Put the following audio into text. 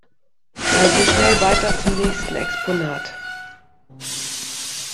Also schnell weiter zum nächsten Exponat!